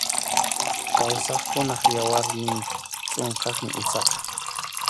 Kawsaqkunap yawarnin chʼunqaqmi usaqa.